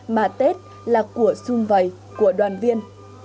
mà tết là của xung vầy của đoàn viên